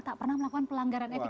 tak pernah melakukan pelanggaran etik